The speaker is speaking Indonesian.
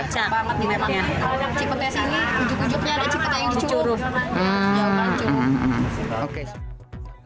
cipetnya sendiri ujuk ujuknya ada cipetnya yang dicuruh